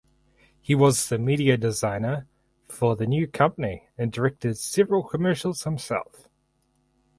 He was the media designer for the new company and directed several commercials himself.